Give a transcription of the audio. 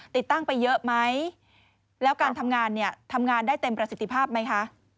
ติดตั้งไปเยอะไหมแล้วการทำงานเนี่ยทำงานได้เต็มประสิทธิภาพไหมคะ